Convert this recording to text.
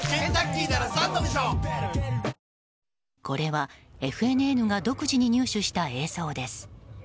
これはＦＮＮが独自に入手した映像です。